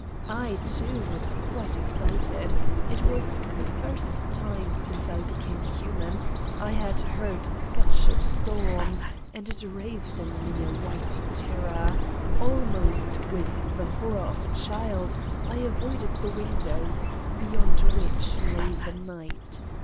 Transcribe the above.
I, too, was quite excited : it was the first time since I became human I had heard such a storm and it raised in me a white terror: almost with the horror of a child I avoided the windows, beyond which lay the night.